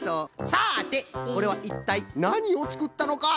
さあでこれはいったいなにをつくったのか？